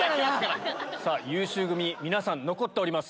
優秀組皆さん残っております。